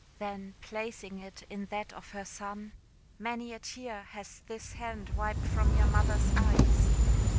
Then placing it in that of her son "Many a tear has this hand wiped from your mother's eyes!"